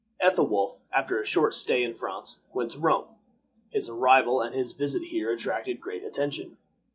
Ethelwolf, after a short stay in France, went on to Rome. His arrival and his visit here attracted great attention.